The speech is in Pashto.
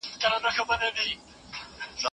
د هغې ټولي انديښنې بايد رفع سي.